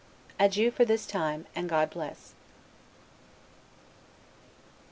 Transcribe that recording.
Adieu for this time, and God bless you!